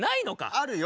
あるよ。